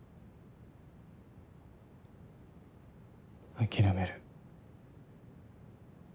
諦める。